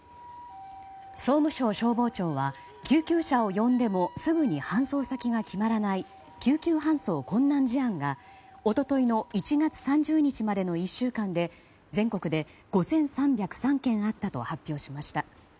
総務省消防庁は救急車を呼んでもすぐに搬送先が決まらない救急搬送困難事案が一昨日の１月３０日までの１週間で全国で５３０３件あったと発表しました。